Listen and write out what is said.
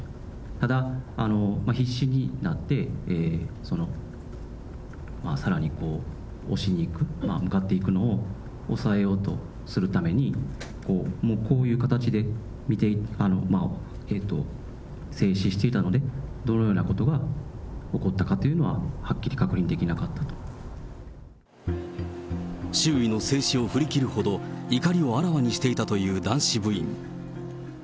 ただ、必死になって、さらにこう、押しに行く、向かっていくのをおさえようとするために、こういう形で制止していたので、どのようなことが起こったかというのは、はっきり確認できなかっ周囲の制止を振り切るほど、怒りをあらわにしていたという男子部員。